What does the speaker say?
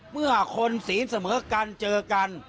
เมื่อคนศีลเสมอกันเจอกัน